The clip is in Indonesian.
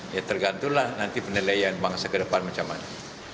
ya tergantulah nanti penilaian bangsa kedepan macam mana